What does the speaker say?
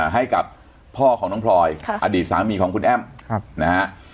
ให้กับพ่อของน้องพลอยอดีตสามีของคุณแอ้มนะฮะ